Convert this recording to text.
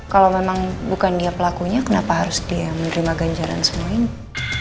kalau memang bukan dia pelakunya kenapa harus dia menerima ganjaran semua ini